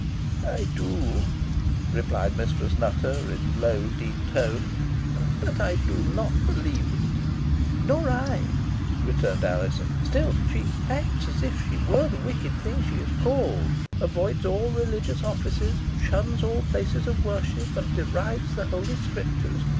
"I do," replied Mistress Nutter, in a low deep tone, "but I do not believe it." "Nor I," returned Alizon. "Still, she acts as if she were the wicked thing she is called; avoids all religious offices; shuns all places of worship; and derides the Holy Scriptures.